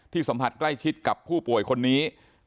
สัมผัสใกล้ชิดกับผู้ป่วยคนนี้